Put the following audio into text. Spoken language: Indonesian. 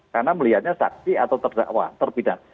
karena melihatnya saksi atau terpidana